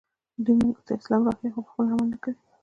دوی موږ ته اسلام راښيي خو پخپله عمل نه کوي